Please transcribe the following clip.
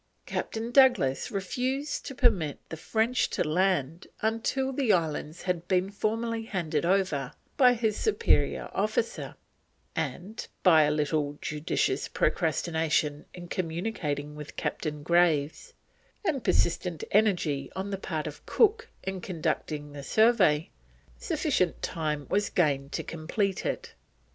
Captain Douglas refused to permit the French to land until the islands had been formally handed over by his superior officer, and by a little judicious procrastination in communicating with Captain Graves, and persistent energy on the part of Cook in conducting the survey, sufficient time was gained to complete it.